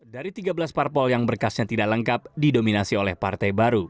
dari tiga belas parpol yang berkasnya tidak lengkap didominasi oleh partai baru